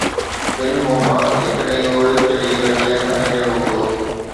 بن هوما، جيڪڏهن اهو رزق جي گهٽتائي سان ڳنڍيل هوندو.